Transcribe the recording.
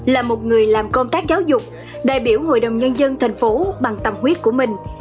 là một người làm công tác giáo dục đại biểu hội đồng nhân dân thành phố bằng tâm huyết của mình